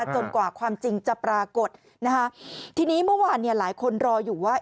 จนกว่าความจริงจะปรากฏนะคะทีนี้เมื่อวานเนี่ยหลายคนรออยู่ว่า